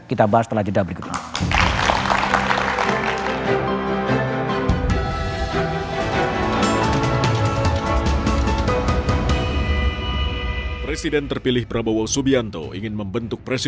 kita bahas setelah jeda berikutnya